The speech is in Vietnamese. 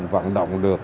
vận động được